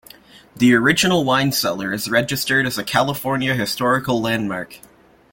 The original wine cellar is registered as a California Historical Landmark.